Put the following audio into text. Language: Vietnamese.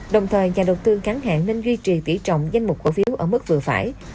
đồng thời nhà đầu tư ngắn hẹn nên duy trì tỉ trọng danh mục cổ phiếu ở mức vừa phải